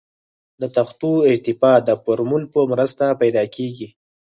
د تختو ارتفاع د فورمول په مرسته پیدا کیږي